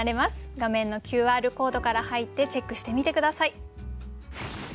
画面のＱＲコードから入ってチェックしてみて下さい。